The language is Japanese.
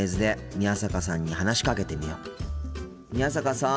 宮坂さん。